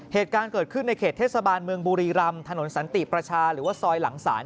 เหตุการณ์เกิดขึ้นในเขตเทศบาลเมืองบุรีรำถนนสันติประชาหรือว่าซอยหลังศาล